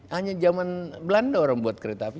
hanya zaman belanda orang buat kereta api